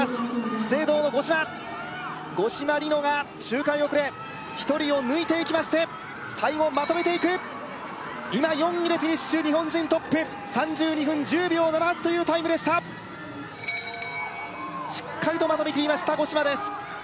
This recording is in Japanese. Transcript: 資生堂の五島五島莉乃が周回遅れ１人を抜いていきまして最後まとめていく今４位でフィニッシュ日本人トップ３２分１０秒７８というタイムでしたしっかりとまとめきりました五島です